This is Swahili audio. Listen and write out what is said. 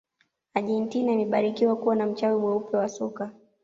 argentina imebarikiwa kuwa na mchawi mweupe wa soka